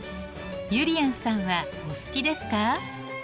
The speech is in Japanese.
ゆりやんさんはお好きですか？